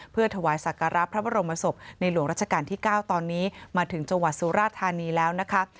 เพื่อถวายสักการะพระบรมศพในหลวงราชการที่๙ตอนนี้มาถึงจังหวัดสุราธานีแล้วนะคะ